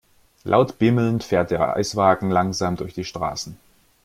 Laut bimmelnd fährt der Eiswagen langsam durch die Straßen.